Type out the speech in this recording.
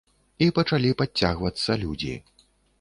І пачалі падцягвацца людзі.